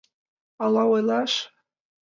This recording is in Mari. Ала ойлаш?